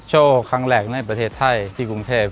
โชว์ครั้งแรกในประเทศไทยที่กรุงเทพ